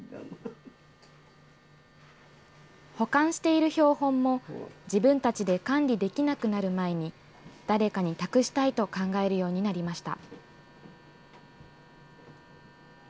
保管している標本も、自分たちで管理できなくなる前に誰かに託したいと考えるようになりました。